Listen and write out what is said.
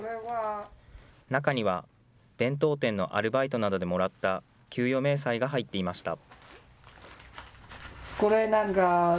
中には、弁当店のアルバイトなどでもらった給与明細が入っていました。